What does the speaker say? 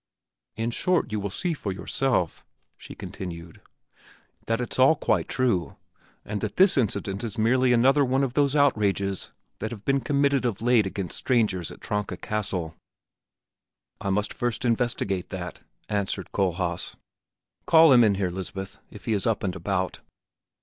"In short, you will see for yourself," she continued, "that it's all quite true and that this incident is merely another one of those outrages that have been committed of late against strangers at Tronka Castle." "I must first investigate that," answered Kohlhaas. "Call him in here, Lisbeth, if he is up and about."